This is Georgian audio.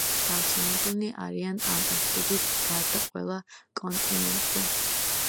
გავრცელებულნი არიან ანტარქტიდის გარდა ყველა კონტინენტზე.